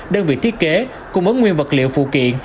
đơn vị thiết kế cung ứng nguyên vật liệu phụ kiện